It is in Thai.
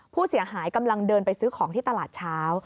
ผู้เสียหายกำลังเดินไปซื้อของที่ตลาดเช้า